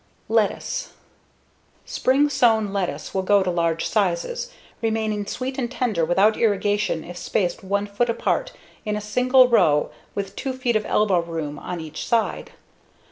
Lettuce Spring sown lettuce will go to large sizes, remaining sweet and tender without irrigation if spaced 1 foot apart in a single row with 2 feet of elbow room on each side.